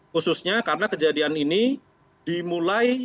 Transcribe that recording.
khususnya karena kejadian ini